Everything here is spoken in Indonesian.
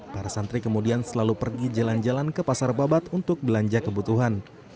para santri kemudian selalu pergi jalan jalan ke pasar babat untuk belanja kebutuhan